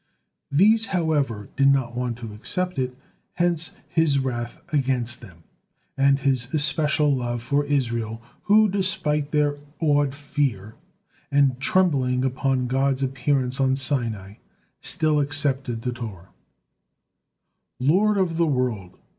These, however, did not want to accept it, hence His wrath against them, and His especial love for Israel who, despite their awed fear and trembling upon God's appearance on Sinai, still accepted the Torah. Lord of the World!"